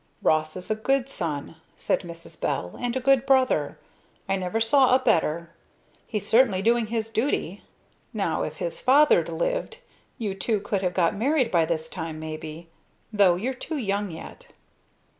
"Ross is a good son," said Mrs. Bell, "and a good brother. I never saw a better. He's certainly doing his duty. Now if his father'd lived you two could have got married by this time maybe, though you're too young yet."